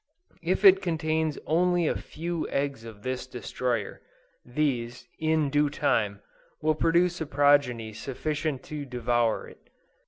If it contains only a few of the eggs of this destroyer, these, in due time, will produce a progeny sufficient to devour it.